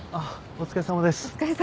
お疲れさまです。